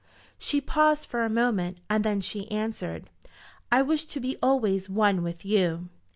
She paused for a moment, and then she answered, "I wish to be always one with you."